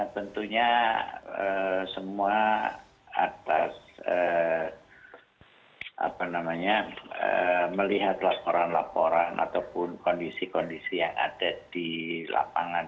tentunya semua atas melihat laporan laporan ataupun kondisi kondisi yang ada di lapangan